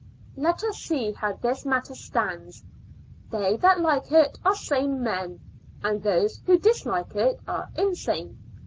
Let us see how this matter stands; they that like it are sane men, and those who dis like it are insane.